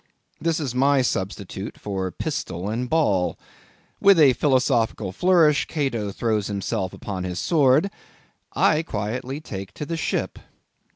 This is my substitute for pistol and ball. With a philosophical flourish Cato throws himself upon his sword; I quietly take to the ship.